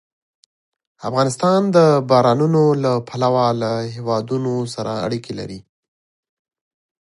افغانستان د بارانونو له پلوه له هېوادونو سره اړیکې لري.